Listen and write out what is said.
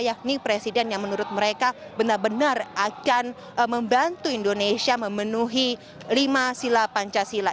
yakni presiden yang menurut mereka benar benar akan membantu indonesia memenuhi lima sila pancasila